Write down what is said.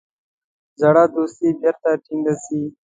زړه دوستي بیرته ټینګه سي.